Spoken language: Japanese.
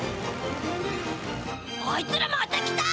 あいつらまた来た！